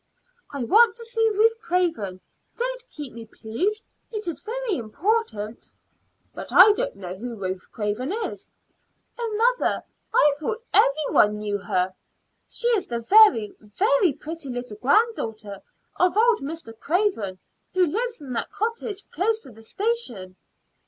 "I want to see Ruth Craven. Don't keep me, please; it is very important." "But I don't know who Ruth Craven is." "Oh, mother, I thought every one knew her. She is the very, very pretty little granddaughter of old Mr. Craven, who lives in that cottage close to the station."